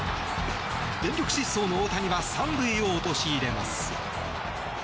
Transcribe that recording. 全力疾走の大谷は３塁を陥れます。